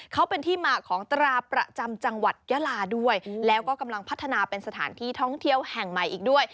เขาเป็นที่มาของตราประจำจังหวัดยาลาด้วยแล้วก็กำลังพัฒนาเป็นสถานที่ท่องเที่ยวแห่งใหม่อีกด้วย